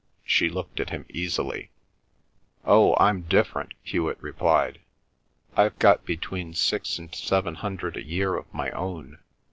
She looked at him easily. "Oh, I'm different," Hewet replied. "I've got between six and seven hundred a year of my own.